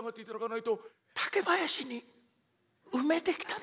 「竹林に埋めてきたのか？」。